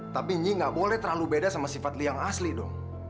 tapi nyi gak boleh terlalu beda sama sifat lia yang asli dong